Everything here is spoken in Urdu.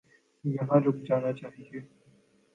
یہاں رک جانا چاہیے۔